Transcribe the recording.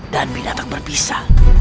dan binatang berpisah